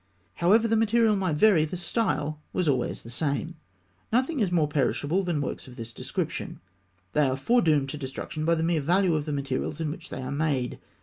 However the material might vary, the style was always the same. Nothing is more perishable than works of this description. They are foredoomed to destruction by the mere value of the materials in which they are made.